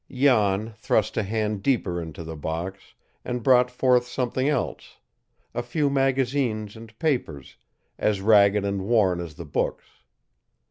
Jan thrust a hand deeper into the box, and brought forth something else a few magazines and papers, as ragged and worn as the books.